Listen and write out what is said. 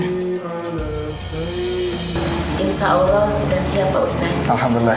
insyaallah sudah siap pak ustadz